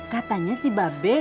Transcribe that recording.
katanya si babe